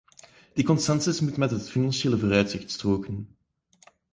Die consensus moet met het financiële vooruitzicht stroken.